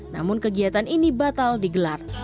namun kegiatan ini batal digelar